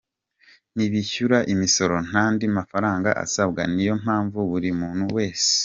ntibishyura imisoro, n’andi mafaranga asabwa, niyo mpamvu buri muntu wese